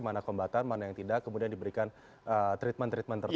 mana kombatan mana yang tidak kemudian diberikan treatment treatment tertentu